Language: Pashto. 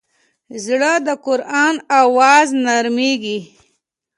زړه د قرآن له اوازه نرمېږي.